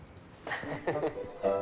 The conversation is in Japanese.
フフフフ。